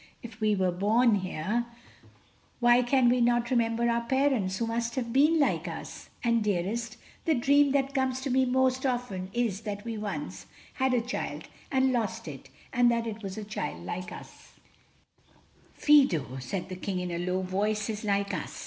If we were born here, why can we not remember our parents who must have been like us? And dearest—the dream that comes to me most often is that we once had a child and lost it—and that it was a child like us—" "Fido," said the King in a low voice, "is like us."